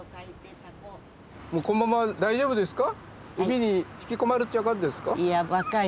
もうこんまま大丈夫ですか？